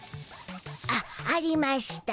あっありましゅた。